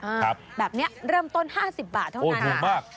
ครับแบบเนี้ยเริ่มต้นห้าสิบบาทเท่านั้นโอ้โหดงมาก